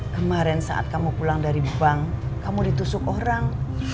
kemarin saat kamu pulang dari bank kamu ditusuk orang